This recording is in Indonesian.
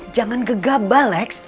jangan gegabah lex